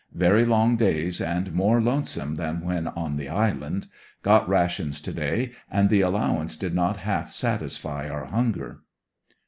Very long days and more lonesome than when on the island. Got rations to day, and the allowance did not half satisfy our hunger.